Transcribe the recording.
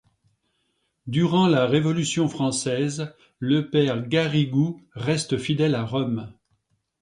Durant la Révolution française, le père Garrigou reste fidèle à Rome.